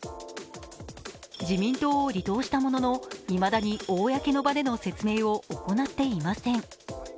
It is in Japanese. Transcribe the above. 自民党を離党したもののいまだに公の場での説明を行っていません。